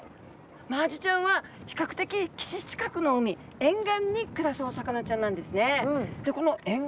マアジちゃんは比較的岸近くの海沿岸に暮らすお魚ちゃんなんですね。